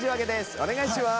お願いします。